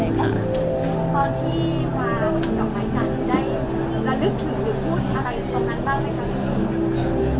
ตอนที่ความจัดการการได้รู้สึกหรือพูดอะไรตรงนั้นบ้างไหมคะ